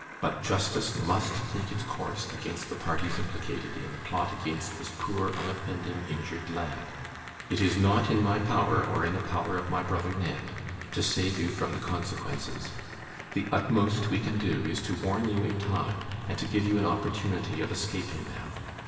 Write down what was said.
But, justice must take its course against the parties implicated in the plot against this poor, unoffending, injured lad. It is not in my power, or in the power of my brother Ned, to save you from the consequences. The utmost we can do is, to warn you in time, and to give you an opportunity of escaping them.